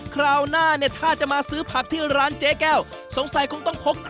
คราวหน้าเนี่ยถ้าจะมาซื้อผักที่ร้านเจ๊แก้วสงสัยคงต้องพก